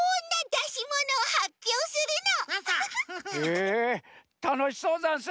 へえたのしそうざんす。